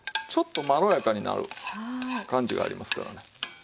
ちょっとまろやかになる感じがありますからね。